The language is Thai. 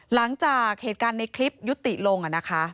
หลังจากเหตุการณ์ในคลิปยุติลงนะคะ